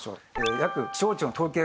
約気象庁の統計